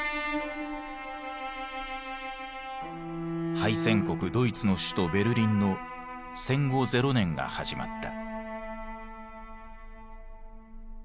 敗戦国ドイツの首都ベルリンの戦後ゼロ年が始まった。